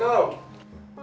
bapak dari mana aja sih